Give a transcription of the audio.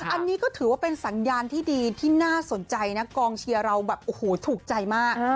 อันนี้ก็ถือว่าเป็นสัญญาณที่ดีที่น่าสนใจนะกองเชียร์เราแบบโอ้โหถูกใจมาก